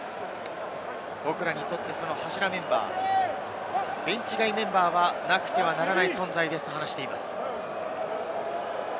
僕らにとってその柱メンバー、ベンチ外メンバーはなくてはならない存在ですと話しています。